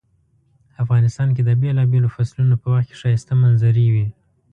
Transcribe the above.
افغانستان کې د بیلابیلو فصلونو په وخت کې ښایسته منظرۍ وی